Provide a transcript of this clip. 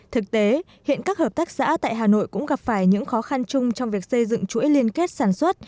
thực tế hiện các hợp tác xã tại hà nội cũng gặp phải những khó khăn chung trong việc xây dựng chuỗi liên kết sản xuất